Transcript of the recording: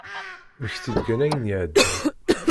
Mmekti-d kan ayen iɛeddan.